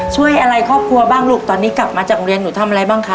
ช่วยอะไรครอบครัวบ้างลูกตอนนี้กลับมาจากโรงเรียนหนูทำอะไรบ้างคะ